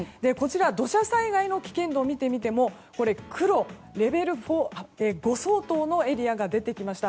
土砂災害の危険度を見てみても黒、レベル５相当のエリアが出てきました。